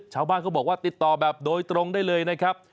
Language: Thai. ชาวบ้านเขาบอกว่าติดต่อแบบโดยตรงได้เลยนะครับ